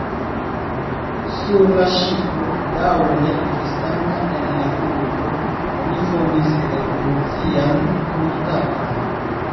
Sur la ŝipo, daŭre restanta en la urbo, oni fondis revolucian komitaton.